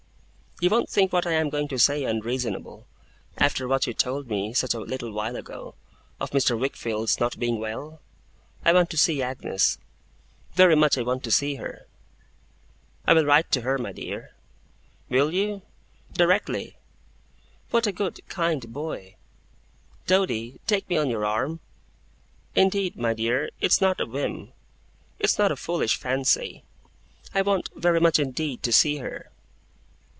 'You won't think what I am going to say, unreasonable, after what you told me, such a little while ago, of Mr. Wickfield's not being well? I want to see Agnes. Very much I want to see her.' 'I will write to her, my dear.' 'Will you?' 'Directly.' 'What a good, kind boy! Doady, take me on your arm. Indeed, my dear, it's not a whim. It's not a foolish fancy. I want, very much indeed, to see her!